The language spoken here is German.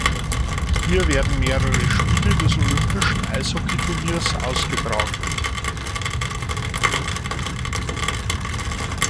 Hier werden mehrere Spiele des olympischen Eishockey-Turniers ausgetragen.